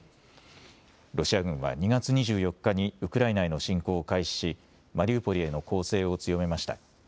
ロシア軍は２月２４日にウクライナへの侵攻を開始しマリウポリへの攻勢を強めました。